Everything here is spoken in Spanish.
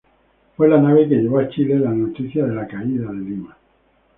Fue la nave que llevó a Chile la noticia de la caída de Lima.